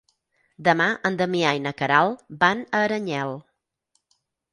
Demà en Damià i na Queralt van a Aranyel.